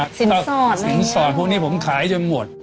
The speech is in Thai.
สินสอดแล้วเนี่ยสินสอดพวกนี้ผมขายจนหมด